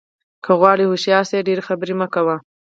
که غواړې هوښیار شې ډېرې خبرې مه کوه.